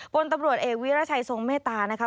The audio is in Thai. พลตำรวจเอกวิรัชัยทรงเมตตานะคะ